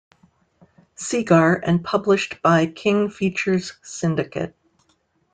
Segar and published by King Features Syndicate.